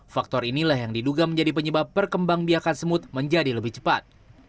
faktor inilah yang diduga menjadi penyebab perkembang biakan semut menjadi lebih cepat